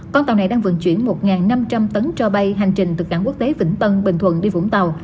con tàu này đang vận chuyển một năm trăm linh tấn cho bay hành trình từ cảng quốc tế vĩnh tân bình thuận đi vũng tàu